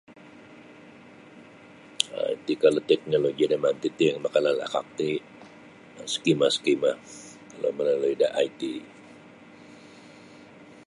um Iti kalau teknologi da manti ti makalalakak tai um skima skima kalau malalui da IT.